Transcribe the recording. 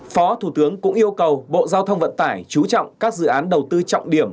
phó thủ tướng cũng yêu cầu bộ giao thông vận tải chú trọng các dự án đầu tư trọng điểm